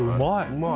うまい！